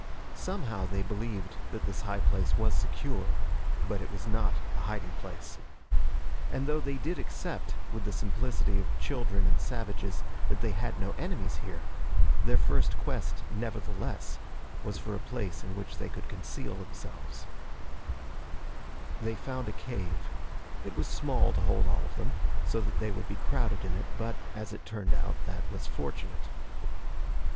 Somehow they believed that this high place was secure. But it was not a hiding place. And though they did accept, with the simplicity of children and savages, that they had no enemies here, their first quest, nevertheless, was for a place in which they could conceal themselves. They found a cave. It was small to hold all of them, so that they would be crowded in it, but, as it turned out, that was fortunate.